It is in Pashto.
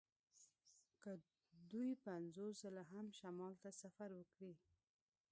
که دوی پنځوس ځله هم شمال ته سفر وکړي